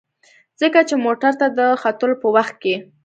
ځکه چې موټر ته د ختلو په وخت کې.